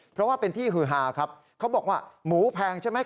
เพราะว่าเป็นที่ฮือฮาครับเขาบอกว่าหมูแพงใช่ไหม